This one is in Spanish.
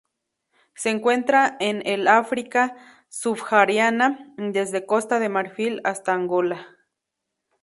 Se encuentra en el África subsahariana desde Costa de Marfil hasta Angola.